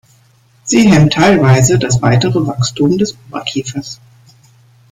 Sie hemmt teilweise das weitere Wachstum des Oberkiefers.